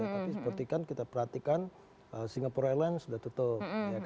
tapi seperti kan kita perhatikan singapore airline sudah tutup